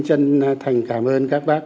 chân thành cảm ơn các bác anh